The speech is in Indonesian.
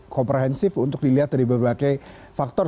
komprehensif untuk dilihat dari berbagai faktor